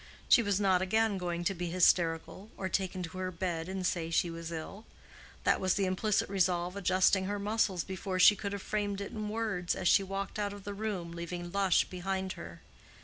She was not again going to be hysterical, or take to her bed and say she was ill. That was the implicit resolve adjusting her muscles before she could have framed it in words, as she walked out of the room, leaving Lush behind her.